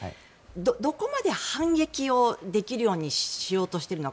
どこまで反撃をできるようにしようとしているのか